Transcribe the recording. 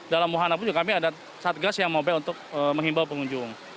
dalam wahanapun juga kami ada satgas yang mobile untuk menghimbau pengunjung